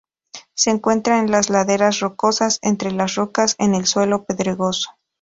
Se encuentra en las laderas rocosas, entre las rocas en el suelo pedregoso.